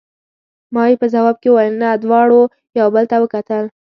ما یې په ځواب کې وویل: نه، دواړو یو بل ته وکتل.